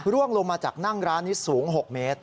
ร่วงลงมาจากนั่งร้านนี้สูง๖เมตร